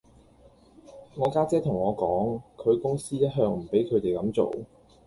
我家姐同我講，佢公司一向唔俾佢地咁做